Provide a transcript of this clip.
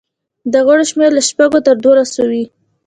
د غړو شمېر له شپږو تر دولسو وي.